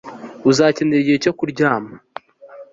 Uzakenera igihe cyo kuryama